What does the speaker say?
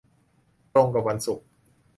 ตรงกับวันศุกร์